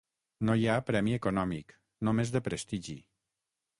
No hi ha premi econòmic, només de prestigi.